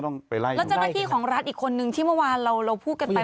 แล้วเจ้าหน้าที่ของรัฐอีกคนนึงที่เมื่อวานเราพูดกันไป